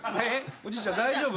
おじいちゃん大丈夫？